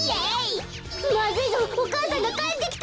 まずいぞお母さんがかえってきた！